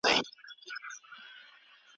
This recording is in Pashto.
انسان د ظاهر له مخې قضاوت کوي.